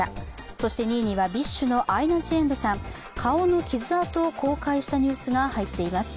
そして２位にはＢｉＳＨのアイナ・ジ・エンドさん、顔の傷痕を公開したニュースが入っています。